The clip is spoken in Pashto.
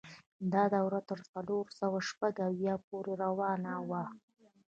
دا دوره تر څلور سوه شپږ اویا پورې روانه وه.